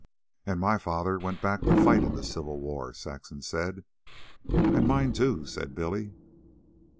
"And my father went back to fight in the Civil War," Saxon said. "And mine, too," said Billy.